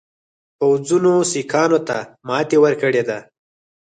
پوځونو سیکهانو ته ماته ورکړې ده.